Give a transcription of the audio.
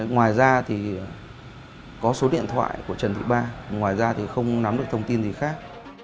ngoài ra thì có số điện thoại của trần thị ba ngoài ra thì không nắm được thông tin gì khác